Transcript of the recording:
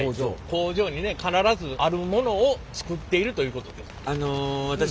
工場にね必ずあるものを作っているということです。